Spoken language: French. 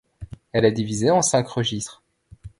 Elle est divisée en cinq registres.